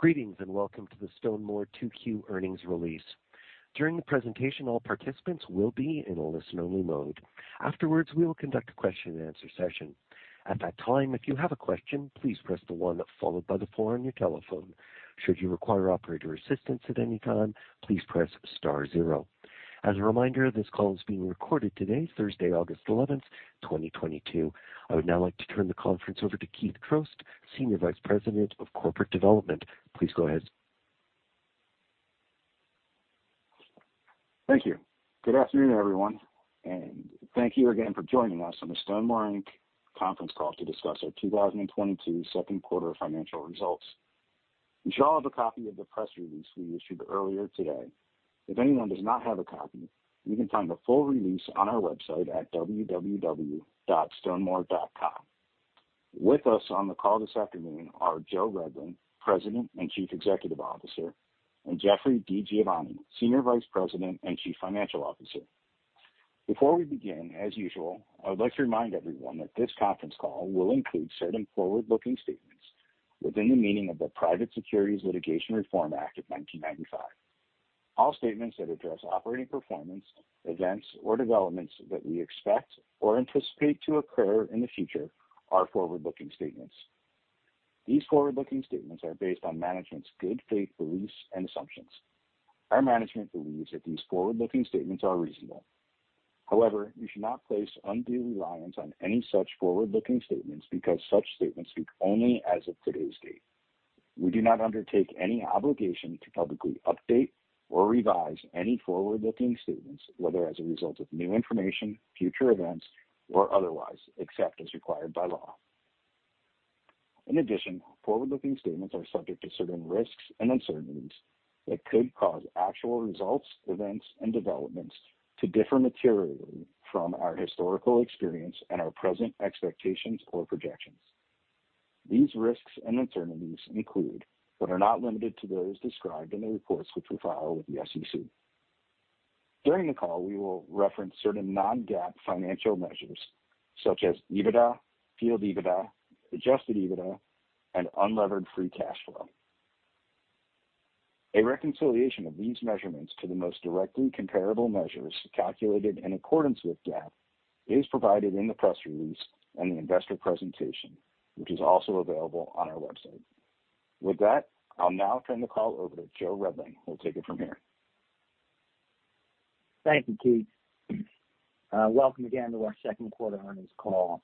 Greetings, and welcome to the StoneMor 2Q earnings release. During the presentation, all participants will be in a listen-only mode. Afterwards, we will conduct a question-and-answer session. At that time, if you have a question, please press the one followed by the four on your telephone. Should you require operator assistance at any time, please press star zero. As a reminder, this call is being recorded today, Thursday, August 11, 2022. I would now like to turn the conference over to Keith Trost, Senior Vice President of Corporate Development. Please go ahead. Thank you. Good afternoon, everyone, and thank you again for joining us on the StoneMor Inc. conference call to discuss our 2022 second quarter financial results. You should all have a copy of the press release we issued earlier today. If anyone does not have a copy, you can find the full release on our website at www.stonemor.com. With us on the call this afternoon are Joseph Redling, President and Chief Executive Officer, and Jeffrey DiGiovanni, Senior Vice President and Chief Financial Officer. Before we begin, as usual, I would like to remind everyone that this conference call will include certain forward-looking statements within the meaning of the Private Securities Litigation Reform Act of 1995. All statements that address operating performance, events, or developments that we expect or anticipate to occur in the future are forward-looking statements. These forward-looking statements are based on management's good faith beliefs and assumptions. Our management believes that these forward-looking statements are reasonable. However, you should not place undue reliance on any such forward-looking statements because such statements speak only as of today's date. We do not undertake any obligation to publicly update or revise any forward-looking statements, whether as a result of new information, future events, or otherwise, except as required by law. In addition, forward-looking statements are subject to certain risks and uncertainties that could cause actual results, events, and developments to differ materially from our historical experience and our present expectations or projections. These risks and uncertainties include, but are not limited to, those described in the reports which we file with the SEC. During the call, we will reference certain non-GAAP financial measures such as EBITDA, field EBITDA, adjusted EBITDA, and unlevered free cash flow. A reconciliation of these measurements to the most directly comparable measures calculated in accordance with GAAP is provided in the press release and the investor presentation, which is also available on our website. With that, I'll now turn the call over to Joe Redling, who'll take it from here. Thank you, Keith. Welcome again to our second quarter earnings call.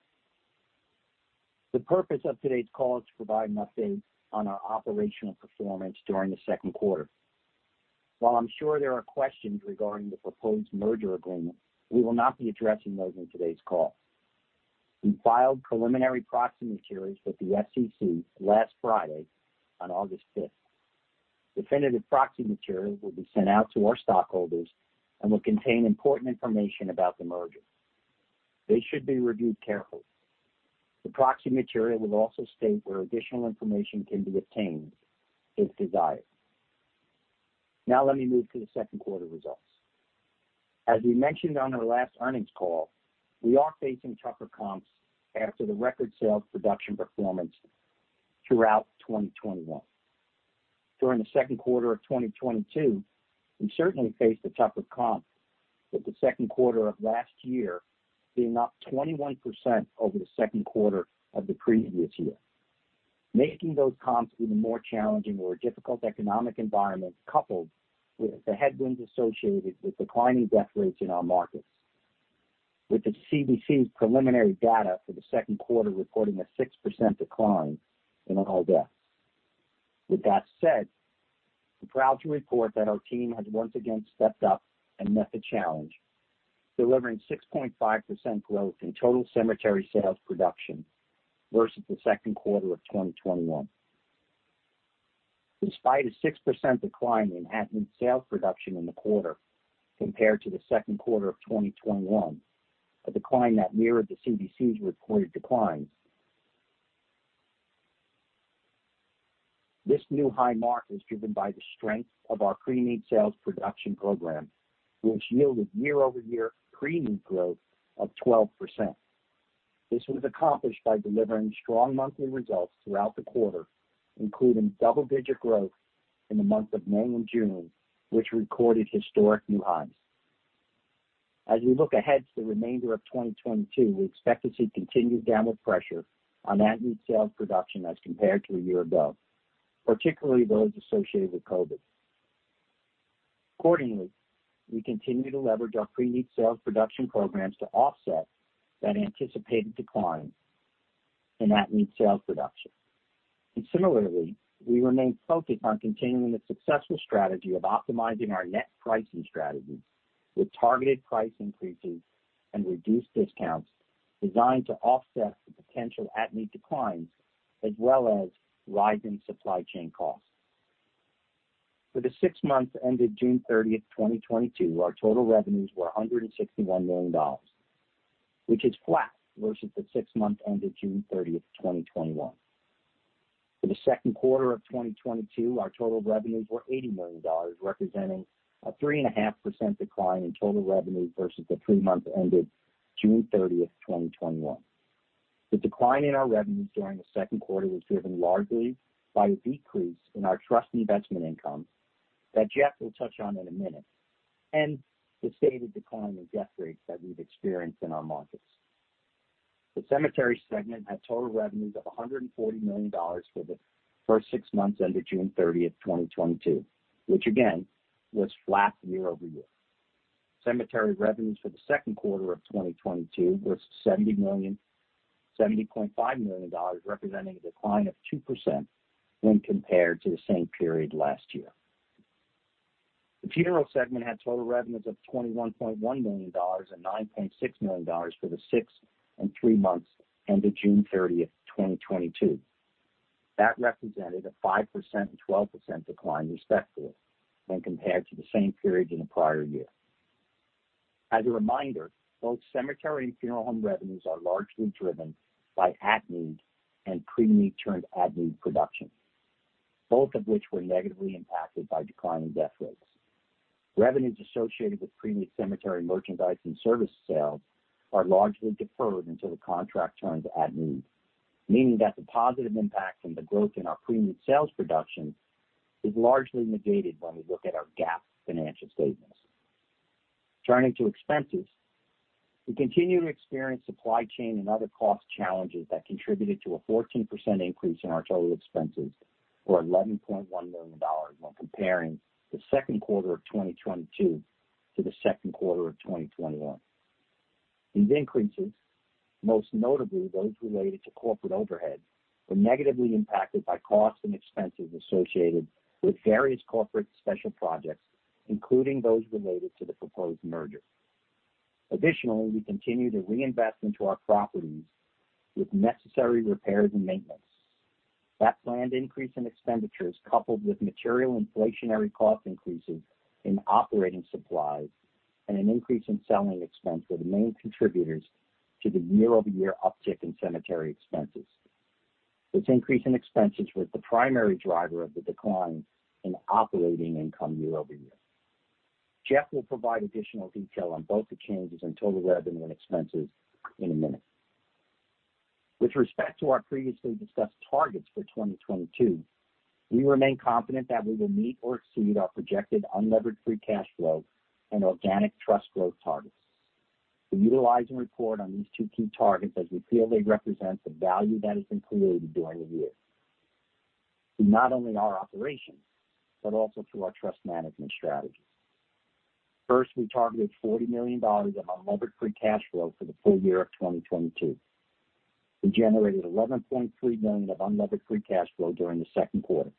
The purpose of today's call is to provide an update on our operational performance during the second quarter. While I'm sure there are questions regarding the proposed merger agreement, we will not be addressing those in today's call. We filed preliminary proxy materials with the SEC last Friday on August 5th. Definitive proxy materials will be sent out to our stockholders and will contain important information about the merger. They should be reviewed carefully. The proxy material will also state where additional information can be obtained if desired. Now let me move to the second quarter results. As we mentioned on our last earnings call, we are facing tougher comps after the record sales production performance throughout 2021. During the second quarter of 2022, we certainly faced a tougher comp, with the second quarter of last year being up 21% over the second quarter of the previous year. Making those comps even more challenging were difficult economic environments coupled with the headwinds associated with declining death rates in our markets, with the CDC's preliminary data for the second quarter reporting a 6% decline in all deaths. With that said, I'm proud to report that our team has once again stepped up and met the challenge, delivering 6.5% growth in total cemetery sales production versus the second quarter of 2021. In spite of a 6% decline in at-need sales production in the quarter compared to the second quarter of 2021, a decline that mirrored the CDC's reported declines. This new high mark is driven by the strength of our pre-need sales production program, which yielded year-over-year pre-need growth of 12%. This was accomplished by delivering strong monthly results throughout the quarter, including double-digit growth in the months of May and June, which recorded historic new highs. As we look ahead to the remainder of 2022, we expect to see continued downward pressure on at-need sales production as compared to a year ago, particularly those associated with COVID. Accordingly, we continue to leverage our pre-need sales production programs to offset that anticipated decline in at-need sales production. Similarly, we remain focused on continuing the successful strategy of optimizing our net pricing strategy with targeted price increases and reduced discounts designed to offset the potential at-need declines, as well as rising supply chain costs. For the six months ended June 30, 2022, our total revenues were $161 million, which is flat versus the six months ended June 30, 2021. For the second quarter of 2022, our total revenues were $80 million, representing a 3.5% decline in total revenue versus the three months ended June 30, 2021. The decline in our revenues during the second quarter was driven largely by a decrease in our trust investment income that Jeff will touch on in a minute, and the stated decline in death rates that we've experienced in our markets. The cemetery segment had total revenues of $140 million for the first six months ended June 30, 2022, which again, was flat year-over-year. Cemetery revenues for the second quarter of 2022 was $70.5 million, representing a decline of 2% when compared to the same period last year. The funeral segment had total revenues of $21.1 million and $9.6 million for the six and three months ended June 30, 2022. That represented a 5% and 12% decline, respectively, when compared to the same period in the prior year. As a reminder, both cemetery and funeral home revenues are largely driven by at-need and pre-need turned at-need production, both of which were negatively impacted by declining death rates. Revenues associated with pre-need cemetery merchandise and service sales are largely deferred until the contract turns at-need, meaning that the positive impact from the growth in our pre-need sales production is largely negated when we look at our GAAP financial statements. Turning to expenses, we continue to experience supply chain and other cost challenges that contributed to a 14% increase in our total expenses, or $11.1 million when comparing the second quarter of 2022 to the second quarter of 2021. These increases, most notably those related to corporate overhead, were negatively impacted by costs and expenses associated with various corporate special projects, including those related to the proposed merger. Additionally, we continue to reinvest into our properties with necessary repairs and maintenance. That planned increase in expenditures, coupled with material inflationary cost increases in operating supplies and an increase in selling expense, were the main contributors to the year-over-year uptick in cemetery expenses. This increase in expenses was the primary driver of the decline in operating income year-over-year. Jeff will provide additional detail on both the changes in total revenue and expenses in a minute. With respect to our previously discussed targets for 2022, we remain confident that we will meet or exceed our projected unlevered free cash flow and organic trust growth targets. We utilize and report on these two key targets as we feel they represent the value that has been created during the year. Through not only our operations, but also through our trust management strategy. First, we targeted $40 million of unlevered free cash flow for the full year of 2022. We generated $11.3 million of unlevered free cash flow during the second quarter.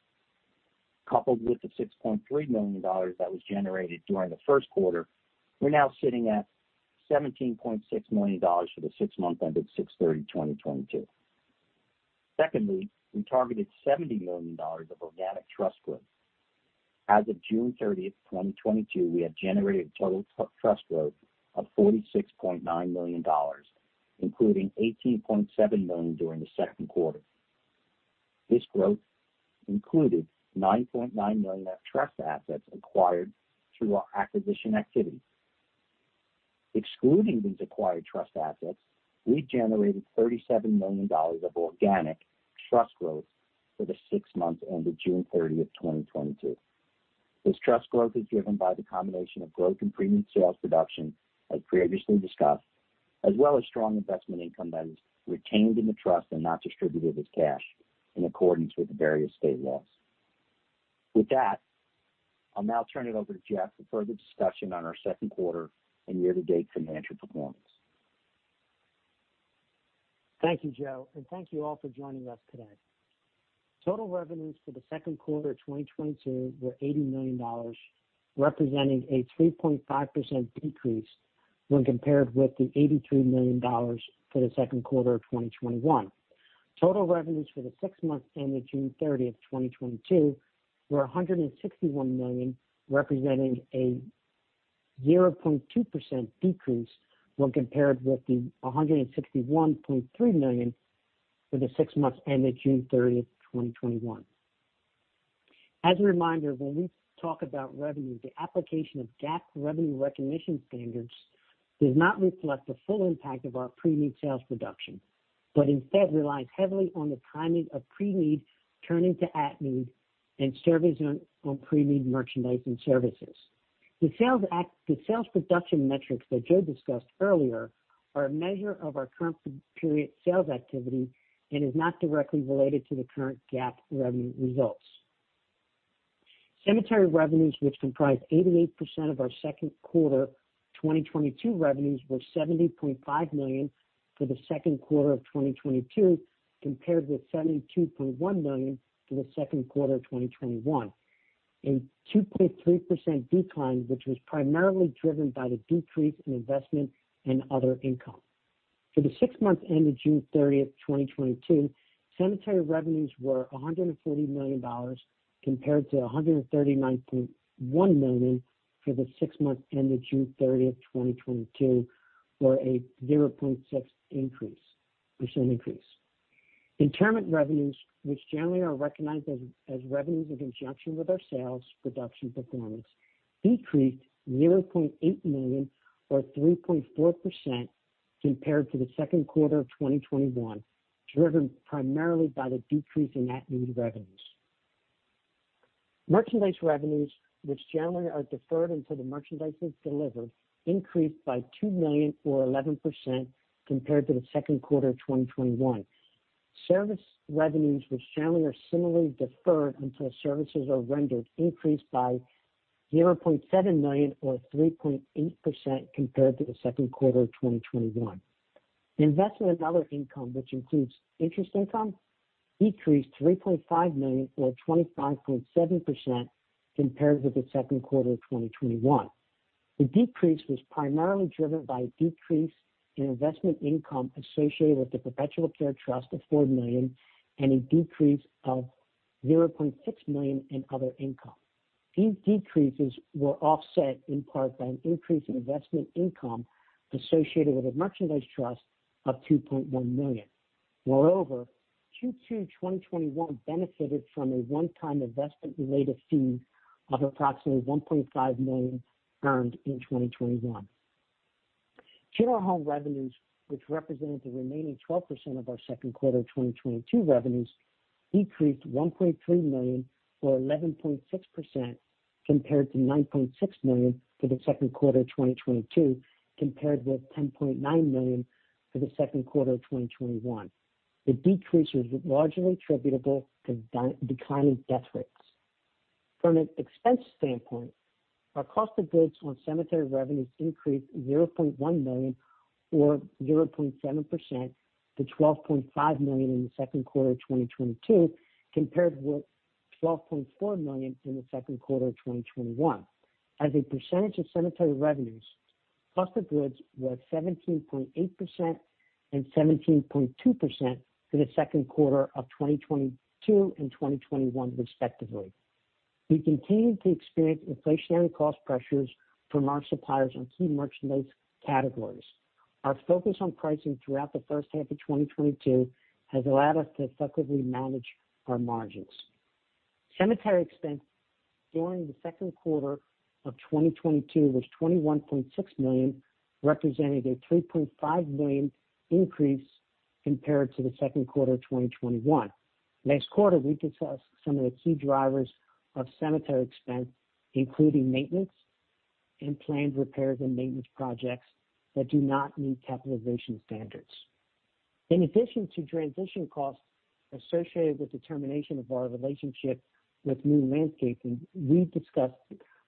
Coupled with the $6.3 million that was generated during the first quarter, we're now sitting at $17.6 million for the six months ended June 30, 2022. Second, we targeted $70 million of organic trust growth. As of June 30, 2022, we have generated total trust growth of $46.9 million, including $18.7 million during the second quarter. This growth included $9.9 million of trust assets acquired through our acquisition activity. Excluding these acquired trust assets, we generated $37 million of organic trust growth for the six months ended June 30, 2022. This trust growth is driven by the combination of growth in pre-need sales production, as previously discussed, as well as strong investment income that is retained in the trust and not distributed as cash in accordance with the various state laws. With that, I'll now turn it over to Jeff for further discussion on our second quarter and year-to-date financial performance. Thank you, Joe, and thank you all for joining us today. Total revenues for the second quarter of 2022 were $80 million, representing a 3.5% decrease when compared with the $83 million for the second quarter of 2021. Total revenues for the six months ending June 30, 2022 were $161 million, representing a 0.2% decrease when compared with the $161.3 million for the six months ending June 30, 2021. As a reminder, when we talk about revenue, the application of GAAP revenue recognition standards does not reflect the full impact of our pre-need sales production, but instead relies heavily on the timing of pre-need turning to at-need and services on pre-need merchandise and services. The sales production metrics that Joe discussed earlier are a measure of our current period sales activity and is not directly related to the current GAAP revenue results. Cemetery revenues, which comprise 88% of our second quarter 2022 revenues, were $70.5 million for the second quarter of 2022, compared with $72.1 million for the second quarter of 2021, a 2.3% decline, which was primarily driven by the decrease in investment and other income. For the six months ending June 30, 2022, cemetery revenues were $140 million compared to $139.1 million for the six months ending June 30, 2022, or a 0.6% increase. Interment revenues, which generally are recognized as revenues in conjunction with our sales production performance, decreased $0.8 million or 3.4% compared to the second quarter of 2021, driven primarily by the decrease in at-need revenues. Merchandise revenues, which generally are deferred until the merchandise is delivered, increased by $2 million or 11% compared to the second quarter of 2021. Service revenues, which generally are similarly deferred until services are rendered, increased by $0.7 million or 3.8% compared to the second quarter of 2021. Investment and other income, which includes interest income, decreased $3.5 million or 25.7% compared with the second quarter of 2021. The decrease was primarily driven by a decrease in investment income associated with the perpetual care trust of $4 million and a decrease of $0.6 million in other income. These decreases were offset in part by an increase in investment income associated with a merchandise trust of $2.1 million. Moreover, Q2-2021 benefited from a one-time investment-related fee of approximately $1.5 million earned in 2021. Funeral home revenues, which represented the remaining 12% of our second quarter 2022 revenues, decreased $1.3 million or 11.6% compared to $9.6 million for the second quarter of 2022, compared with $10.9 million for the second quarter of 2021. The decrease was largely attributable to declining death rates. From an expense standpoint, our cost of goods on cemetery revenues increased $0.1 million or 0.7% to $12.5 million in the second quarter of 2022, compared with $12.4 million in the second quarter of 2021. As a percentage of cemetery revenues, cost of goods was 17.8% and 17.2% for the second quarter of 2022 and 2021 respectively. We continued to experience inflationary cost pressures from our suppliers on key merchandise categories. Our focus on pricing throughout the first half of 2022 has allowed us to effectively manage our margins. Cemetery expense during the second quarter of 2022 was $21.6 million, representing a $3.5 million increase compared to the second quarter of 2021. Last quarter, we discussed some of the key drivers of cemetery expense, including maintenance and planned repairs and maintenance projects that do not meet capitalization standards. In addition to transition costs associated with the termination of our relationship with Moon Landscaping, Inc. we discussed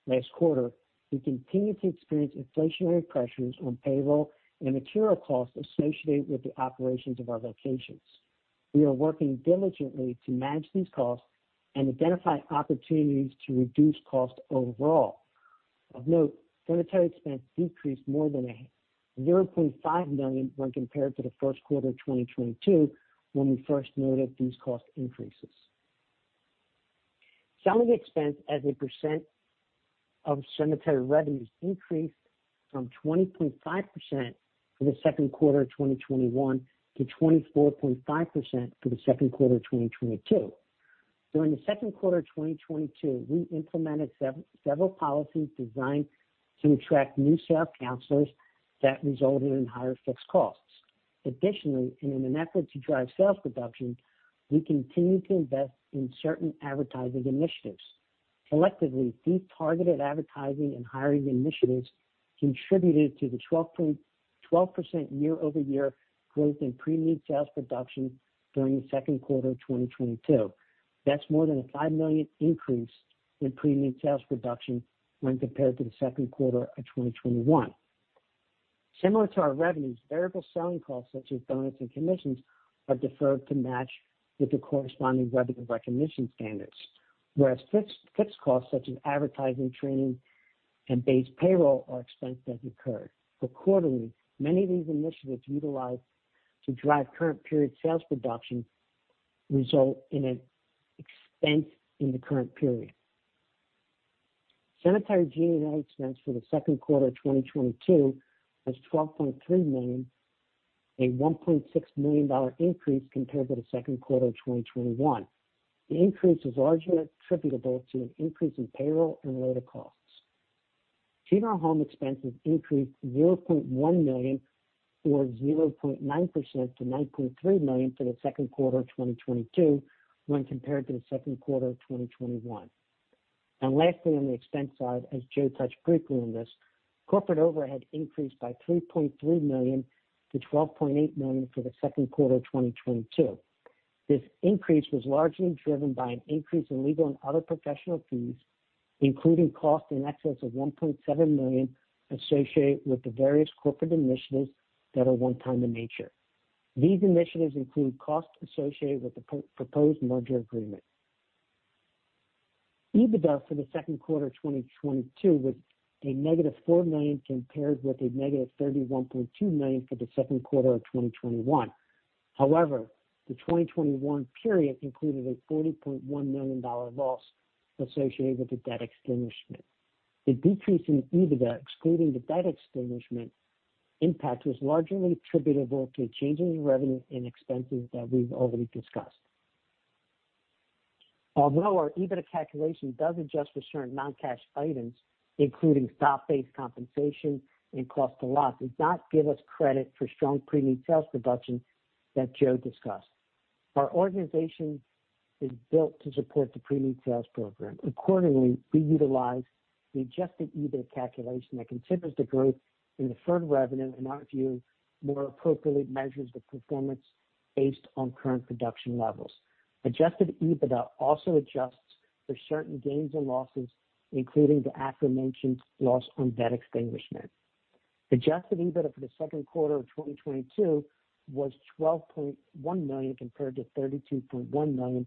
last quarter, we continue to experience inflationary pressures on payroll and material costs associated with the operations of our locations. We are working diligently to manage these costs and identify opportunities to reduce costs overall. Of note, cemetery expense decreased more than $0.5 million when compared to the first quarter of 2022 when we first noted these cost increases. Selling expense as a % of cemetery revenues increased from 20.5% for the second quarter of 2021 to 24.5% for the second quarter of 2022. During the second quarter of 2022, we implemented several policies designed to attract new sales counselors that resulted in higher fixed costs. Additionally, in an effort to drive sales production, we continue to invest in certain advertising initiatives. Collectively, these targeted advertising and hiring initiatives contributed to the 12% year-over-year growth in pre-need sales production during the second quarter of 2022. That's more than a $5 million increase in pre-need sales production when compared to the second quarter of 2021. Similar to our revenues, variable selling costs such as bonuses and commissions are deferred to match with the corresponding revenue recognition standards. Whereas fixed costs such as advertising, training, and base payroll are expensed as incurred. Quarterly, many of these initiatives utilized to drive current period sales production result in an expense in the current period. Cemetery G&A expense for the second quarter of 2022 was $12.3 million, a $1.6 million increase compared with the second quarter of 2021. The increase was largely attributable to an increase in payroll and related costs. Funeral home expenses increased $0.1 million or 0.9% to $9.3 million for the second quarter of 2022 when compared to the second quarter of 2021. Lastly, on the expense side, as Joe touched briefly on this, corporate overhead increased by $3.3 million-$12.8 million for the second quarter of 2022. This increase was largely driven by an increase in legal and other professional fees, including costs in excess of $1.7 million associated with the various corporate initiatives that are one time in nature. These initiatives include costs associated with the proposed merger agreement. EBITDA for the second quarter of 2022 was a negative $4 million compared with a negative $31.2 million for the second quarter of 2021. However, the 2021 period included a $40.1 million loss associated with the debt extinguishment. The decrease in EBITDA, excluding the debt extinguishment impact, was largely attributable to changes in revenue and expenses that we've already discussed. Although our EBITDA calculation does adjust for certain non-cash items, including stock-based compensation and cost of loss, it does not give us credit for strong pre-need sales production that Joe discussed. Our organization is built to support the pre-need sales program. Accordingly, we utilize the adjusted EBITDA calculation that considers the growth in deferred revenue, in our view, more appropriately measures the performance based on current production levels. Adjusted EBITDA also adjusts for certain gains and losses, including the aforementioned loss on debt extinguishment. Adjusted EBITDA for the second quarter of 2022 was $12.1 million compared to $32.1 million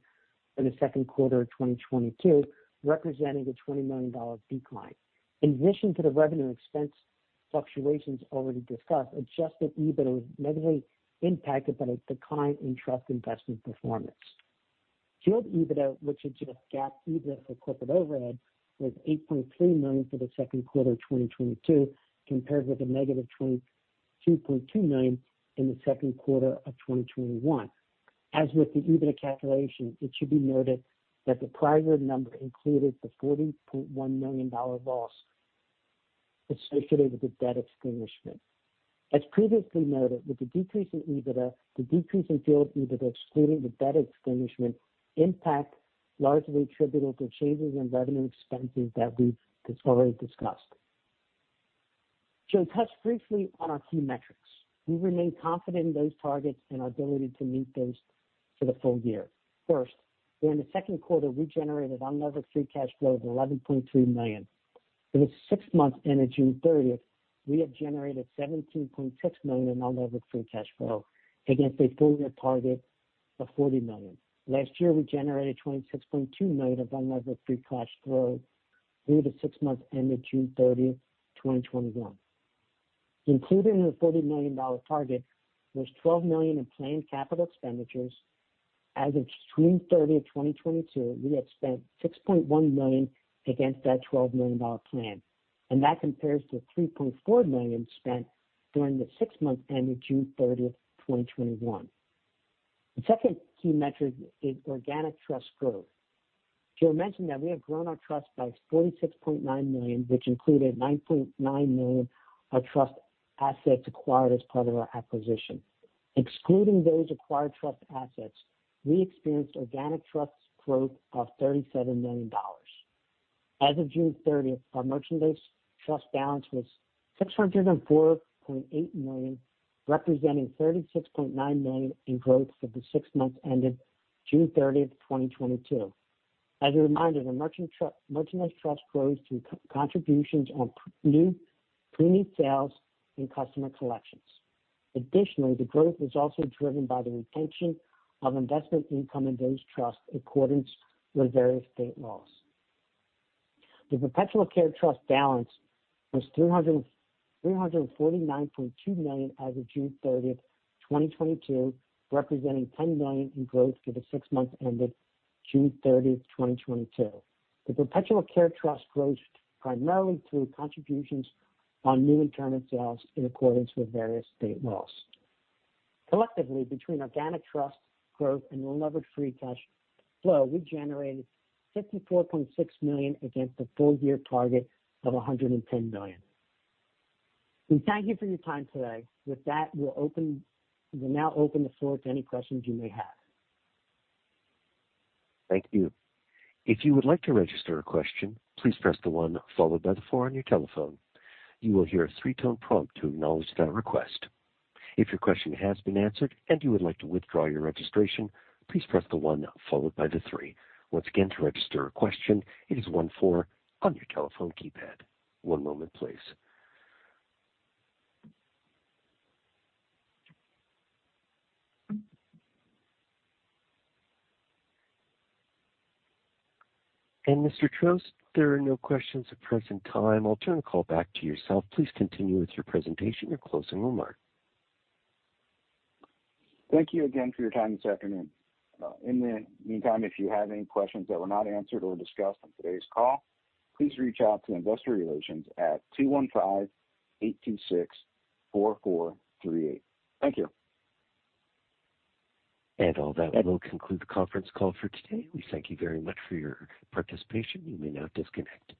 in the second quarter of 2021, representing a $20 million decline. In addition to the revenue expense fluctuations already discussed, adjusted EBITDA was negatively impacted by the decline in trust investment performance. Field EBITDA, which is just GAAP EBITDA for corporate overhead, was $8.3 million for the second quarter of 2022, compared with -$22.2 million in the second quarter of 2021. As with the EBITDA calculation, it should be noted that the prior year number included the $40.1 million loss associated with the debt extinguishment. As previously noted, with the decrease in EBITDA, the decrease in field EBITDA, excluding the debt extinguishment impact, largely attributable to changes in revenue, expenses that we've already discussed. Joe touched briefly on our key metrics. We remain confident in those targets and our ability to meet those for the full year. First, during the second quarter, we generated unlevered free cash flow of $11.3 million. For the six months ended June 30, we have generated $17.6 million in unlevered free cash flow against a full year target of $40 million. Last year, we generated $26.2 million of unlevered free cash flow through the six months ended June 30, 2021. Included in the $40 million target was $12 million in planned capital expenditures. As of June 30, 2022, we had spent $6.1 million against that $12 million plan, and that compares to $3.4 million spent during the six months ended June 30, 2021. The second key metric is organic trust growth. Joe mentioned that we have grown our trust by $46.9 million, which included $9.9 million of trust assets acquired as part of our acquisition. Excluding those acquired trust assets, we experienced organic trust growth of $37 million. As of June 30, our merchandise trust balance was $604.8 million, representing $36.9 million in growth for the six months ended June 30, 2022. As a reminder, the merchandise trust grows through contributions on pre-need sales and customer collections. Additionally, the growth is also driven by the retention of investment income in those trusts in accordance with various state laws. The perpetual care trust balance was $349.2 million as of June 30, 2022, representing $10 million in growth for the six months ended June 30, 2022. The perpetual care trust grows primarily through contributions on new internal sales in accordance with various state laws. Collectively, between organic trust growth and unlevered free cash flow, we generated $54.6 million against the full year target of $110 million. We thank you for your time today. With that, we'll now open the floor to any questions you may have. Thank you. If you would like to register a question, please press the one followed by the four on your telephone. You will hear a three tone prompt to acknowledge that request. If your question has been answered and you would like to withdraw your registration, please press the one followed by the three. Once again, to register a question, it is one on your telephone keypad. One moment, please. Mr. Trost, there are no questions at present time. I'll turn the call back to you. Please continue with your presentation or closing remarks. Thank you again for your time this afternoon. In the meantime, if you have any questions that were not answered or discussed on today's call, please reach out to Investor Relations at 215-826-4438. Thank you. On that, we'll conclude the conference call for today. We thank you very much for your participation. You may now disconnect.